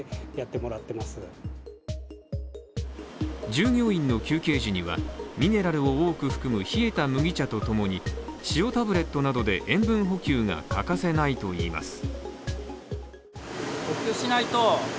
従業員の休憩時には、ミネラルを多く含む冷えた麦茶と共に塩タブレットなどで塩分補給が欠かせないといいます。